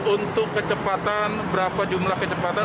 untuk kecepatan berapa jumlah kecepatan